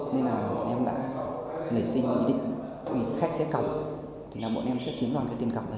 nên là bọn em đã lấy xin ý định khách sẽ cọc thì bọn em sẽ chiếm đoạt cái tiền cọc này